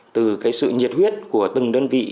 từ cái sự nhiệt huyết của từng đơn vị